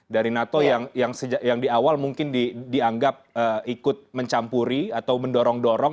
dari nato yang di awal mungkin dianggap ikut mencampuri atau mendorong dorong